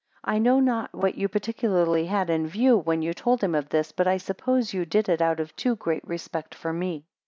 3 I know not what you particularly had in view, when you told him of this; but I suppose you did it out of too great respect for me.